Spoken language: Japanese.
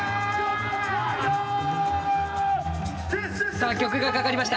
さあ曲がかかりました。